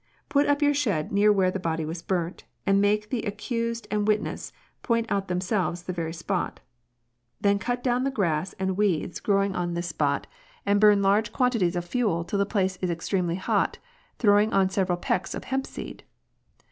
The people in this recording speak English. Put up your shed near where the body was burnt, and make the accused and witnesses point out them selves the very spot. Then cut down the grass and weeds growing on 1 86 INQUESTS. this spot, and burn large quantities of fuel till the place is extremely hot, throwing on several pecks of hempseed.